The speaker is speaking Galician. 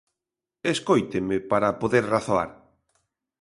Escóiteme para poder razoar.